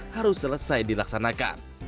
harus selesai dilaksanakan